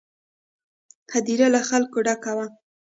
هدیره له خلکو ډکه وه.